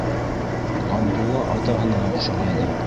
Ғабдулла атаһына оҡшағайны.